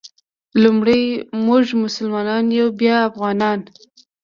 لومړی مونږ مسلمانان یو بیا افغانان.